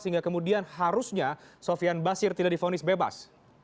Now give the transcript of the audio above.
sehingga kemudian harusnya sofian basir tidak difonis bebas